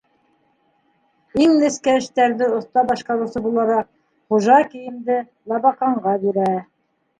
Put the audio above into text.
Иң нескә эштәрҙе оҫта башҡарыусы булараҡ, хужа кейемде Лабаҡанға бирә.